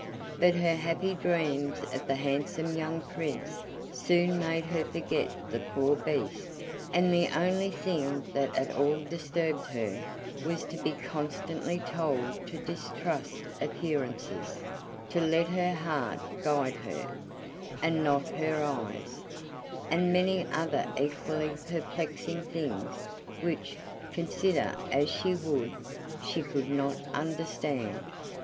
But her happy dreams of the handsome young Prince soon made her forget the poor Beast, and the only thing that at all disturbed her was to be constantly told to distrust appearances, to let her heart guide her, and not her eyes, and many other equally perplexing things, which, consider as she would, she could not understand.